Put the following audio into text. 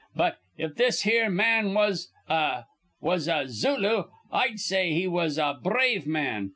But, if this here man was a was a Zulu, I'd say he was a brave man.